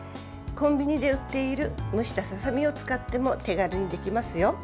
コンビニで売っている蒸したささ身を使っても手軽にできますよ。